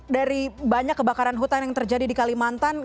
dari banyak kebakaran hutan yang terjadi di kalimantan